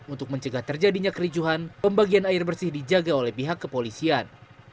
untuk mencegah terjadinya kericuhan pembagian air bersih dijaga oleh pihak kepolisian